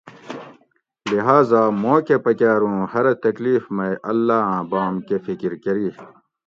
لہٰذا موکہ پکار اُوں ہرہ تکلیف مئ اللّٰہ آں بام کہۤ فکر کۤری